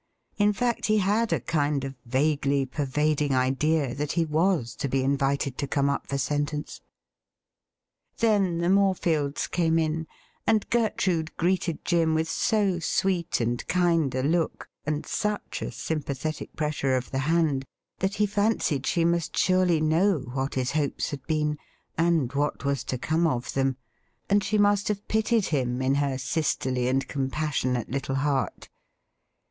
In fact, he had a kind of vaguely pervading idea that he was to be invited to come up for sentence. Then the Morefields came in, and Gertrude greeted Jim with so sweet and kind a look, and such a sympathetic pressure of the hand, that he fancied she must surely know what his hopes had been, and what was to come of them, and she must have pitied him in her sisterly and compas sionate little heart.